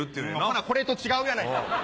ほなこれと違うやないか。